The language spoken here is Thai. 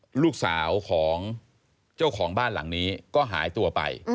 แล้วลูกสาวของเจ้าของบ้านหลังนี้ก็หายตัวไป